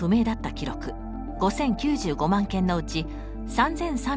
記録５，０９５万件のうち３，３５９万